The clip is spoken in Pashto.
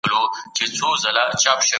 د سوالګرو لپاره باید روزنتونونه جوړ سي.